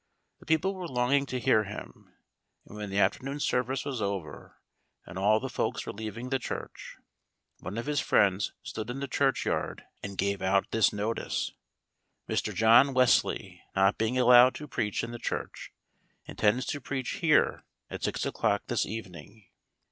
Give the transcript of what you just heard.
The people were longing to hear him, and when the afternoon service was over, and all the folks were leaving the church, one of his friends stood in the churchyard and gave out this notice: "MR. WESLEY, NOT BEING ALLOWED TO PREACH IN THE CHURCH, INTENDS TO PREACH HERE AT SIX O'CLOCK THIS EVENING."